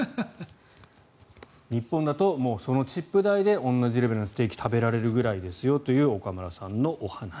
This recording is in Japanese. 日本だとチップ代で同じレベルのステーキが食べられるぐらいですよという岡村さんの話。